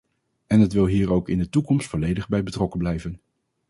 En het wil hier ook in de toekomst volledig bij betrokken blijven.